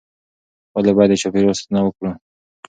ولې باید د چاپیریال ساتنه وکړو؟